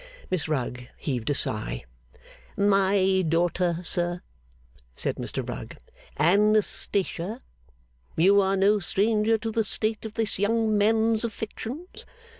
Miss Rugg heaved a sigh. 'My daughter, sir,' said Mr Rugg. 'Anastatia, you are no stranger to the state of this young man's affections.